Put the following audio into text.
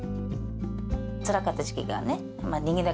つらかった時期がね、人間だ